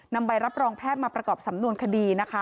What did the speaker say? นำใบรับรองแพทย์มาประกอบสำนวนคดี